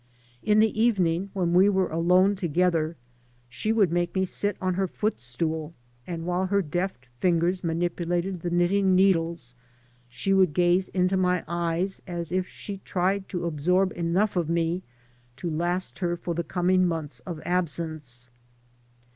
Li the evening when we were alone together she would make me sit on her footstool, and while'her deft fingers manipulated the knitting needles she would gaze into my eyes as if she tried to absorb enough of me to last her for the coming months of absence.